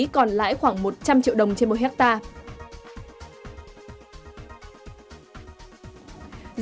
còn lãi khoảng một trăm linh triệu đồng trên một hectare